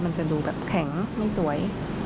มันจะดูแบบแข็งไม่สวย